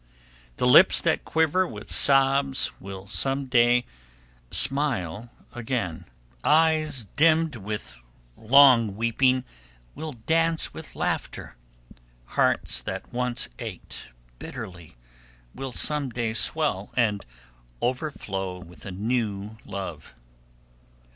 The lips that quiver with sobs will some day smile again, eyes dimmed by long weeping will dance with laughter, hearts that once ached bitterly will some day swell and overflow with a new love.